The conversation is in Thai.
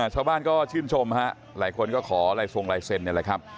ชาวบ้านก็ชื่นชมฮะหลายคนก็ขอลายทรงลายเซ็นต์นี่แหละครับ